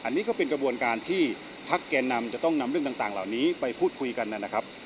อันนี้ก็เป็นกระบวนการที่พักแก่นำจะต้องนำเรื่องต่างเหล่านี้ไปพูดคุยกันนะครับ